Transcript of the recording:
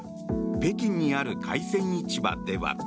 北京にある海鮮市場では。